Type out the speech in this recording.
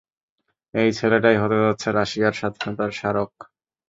এই ছেলেটাই হতে যাচ্ছে রাশিয়ার স্বাধীনতার স্মারক!